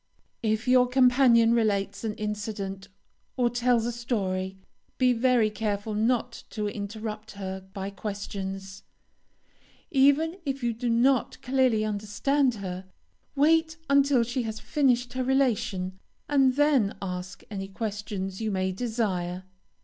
If your companion relates an incident or tells a story, be very careful not to interrupt her by questions, even if you do not clearly understand her; wait until she has finished her relation, and then ask any questions you may desire.